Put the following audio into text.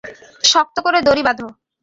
শক্ত করে দড়ি বাঁধো।